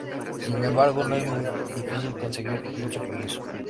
Sin embargo, no es muy difícil conseguir dicho permiso.